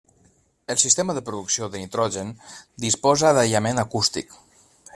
El sistema de producció de nitrogen disposa d'aïllament acústic.